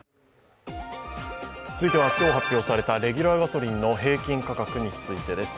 続いては今日発表されたレギュラーガソリンの平均価格についてです。